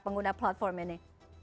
pengguna platform ini